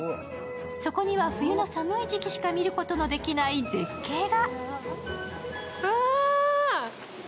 そこには冬の寒い時期しか見ることのできない絶景が。